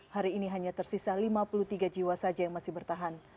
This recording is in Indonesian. hari ini hanya tersisa lima puluh tiga jiwa saja yang masih bertahan